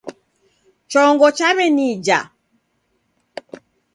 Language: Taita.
Chongo chawenija